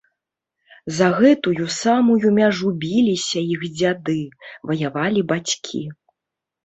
За гэтую самую мяжу біліся іх дзяды, ваявалі бацькі.